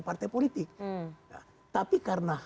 partai politik tapi karena